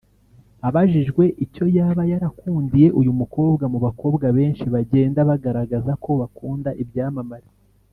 Abajijwe icyo yaba yarakundiye uyu mukobwa mu bakobwa benshi bagenda bagaragaza ko bakunda ibyamamare